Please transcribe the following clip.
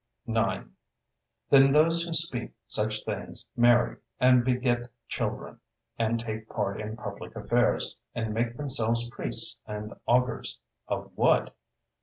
9. Then those who speak such things marry, and beget children, and take part in public affairs, and make themselves priests and augurs—of what?